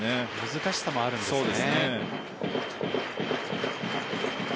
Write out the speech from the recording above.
難しさもあるんですね。